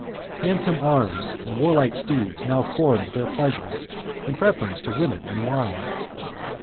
Handsome arms and warlike c^.^^ steeds now formed their pleasures in preference to women and wine.